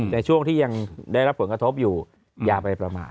แต่ช่วงที่ยังได้รับผลกระทบอยู่อย่าไปประมาท